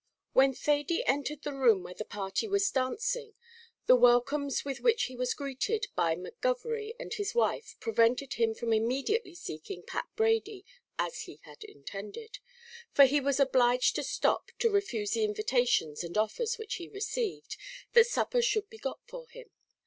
When Thady entered the room where the party was dancing, the welcomes with which he was greeted by McGovery and his wife prevented him from immediately seeking Pat Brady, as he had intended; for he was obliged to stop to refuse the invitations and offers which he received, that supper should be got for him.